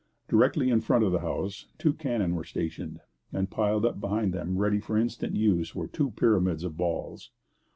Directly in front of the house two cannon were stationed, and piled up behind them ready for instant use were two pyramids of balls.